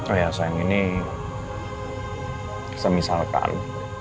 oh ya sayang ini semisal tan